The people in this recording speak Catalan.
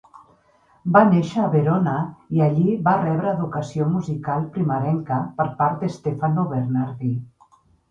Va néixer a Verona i allí va rebre educació musical primerenca per part d'Stefano Bernardi.